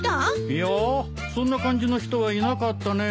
いやそんな感じの人はいなかったね。